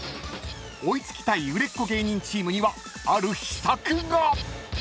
［追い付きたい売れっ子芸人チームにはある秘策が！］